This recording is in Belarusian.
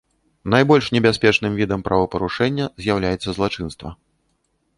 Найбольш небяспечным відам правапарушэння з'яўляецца злачынства.